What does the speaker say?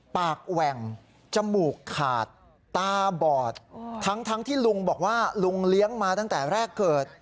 แหว่งจมูกขาดตาบอดทั้งที่ลุงบอกว่าลุงเลี้ยงมาตั้งแต่แรกเกิด